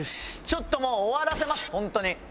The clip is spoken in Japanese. ちょっともう終わらせます本当に。